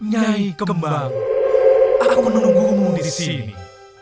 jaih kembang aku menunggumu disini